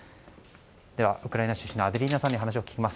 ではウクライナ出身のアデリーナさんに話を聞きます。